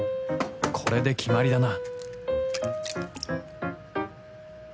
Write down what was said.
これで決まりだな